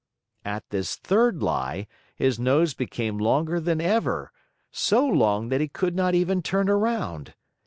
At this third lie, his nose became longer than ever, so long that he could not even turn around.